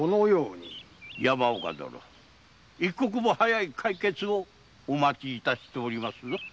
山岡殿一刻も早い解決をお待ちしておりますぞ。